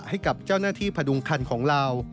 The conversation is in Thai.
ให้กับเจ้าหน้าที่พดุงคันของเรา